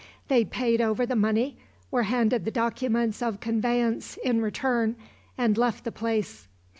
They paid over the money, were handed the documents of conveyance in return, and left the place.